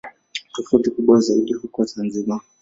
Tofauti ni kubwa zaidi huko Zanzibar.